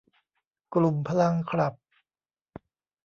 กลุ่มพลังคลับ